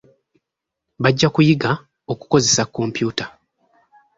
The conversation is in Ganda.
Bajja kuyiga okukozesa kompyuta.